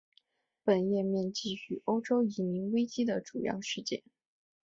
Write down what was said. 本页面记叙欧洲移民危机的主要事件。